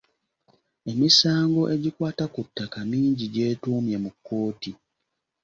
Emisango egikwata ku ttaka mingi gyetuumye mu kkooti.